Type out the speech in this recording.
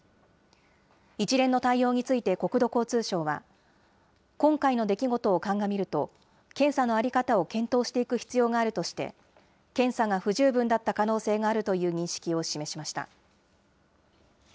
一連の対応について国土交通省は、今回の出来事を鑑みると、検査の在り方を検討していく必要があるとして、検査が不十分だった可能性があるという認識を示しました。